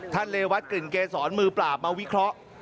เรวัตกลิ่นเกษรมือปราบมาวิเคราะห์